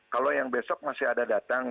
kalau yang besok masih ada datang